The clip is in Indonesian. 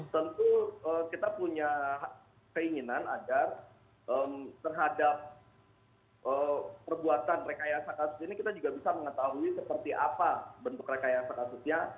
tentu kita punya keinginan agar terhadap perbuatan rekayasa kasus ini kita juga bisa mengetahui seperti apa bentuk rekayasa kasusnya